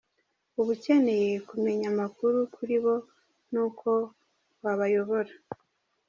Uba ukeneye kumenya amakuru kuri bo n’uko wabayobora.